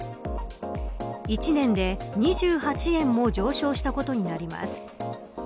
１年で２８円も上昇したことになります。